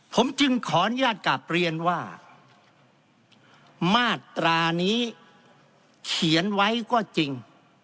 ผมจึงขออนุญาตกลับเรียนว่ามาตรานี้เขียนไว้ก็จริง